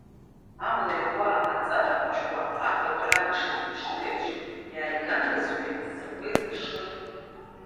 Амла иакуа аҵарахәыҷқәа афатәаз ран ишазыԥшу еиԥш, иааигандаз ҳәа иццакуа изыԥшын!